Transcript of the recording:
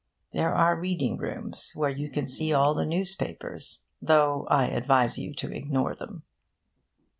There are reading rooms where you can see all the newspapers; though I advise you to ignore them.